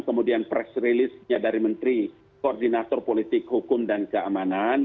kemudian press release nya dari menteri koordinator politik hukum dan keamanan